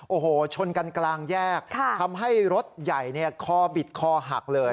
โอ้โหชนกันกลางแยกทำให้รถใหญ่คอบิดคอหักเลย